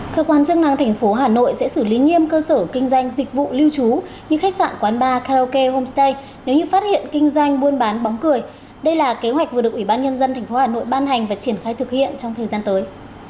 cơ quan chức năng tp hcm sẽ xử lý nghiêm cơ sở kinh doanh dịch vụ lưu trú như khách sạn quán bar karaoke homestay nếu như phát hiện kinh doanh buôn bán bóng cười đây là kế hoạch vừa được ủy ban nhân dân tp hcm ban hành và triển khai thực hiện trong thời gian tới